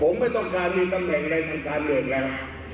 ผมไม่ต้องการมีตำแหน่งใดทางการเรียกแล้ว